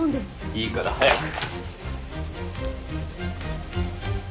いいから早く！